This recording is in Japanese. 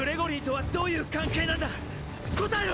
答えろ！